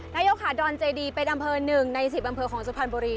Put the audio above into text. นายกค่ะดอนเจดีเป็นอำเภอ๑ใน๑๐อำเภอของสุพรรณบุรี